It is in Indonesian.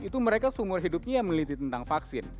itu mereka seumur hidupnya meneliti tentang vaksin